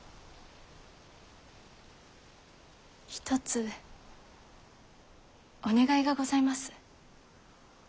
一つお願いがございます。